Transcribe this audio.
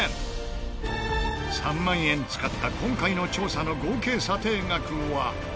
３万円使った今回の調査の合計査定額は。